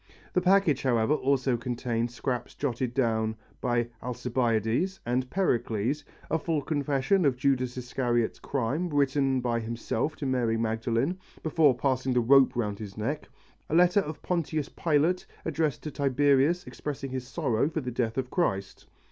The package, however, also contained scraps jotted down by Alcibiades and Pericles, a full confession of Judas Iscariot's crime written by himself to Mary Magdalen before passing the rope round his neck; a letter of Pontius Pilate addressed to Tiberius expressing his sorrow for the death of Christ.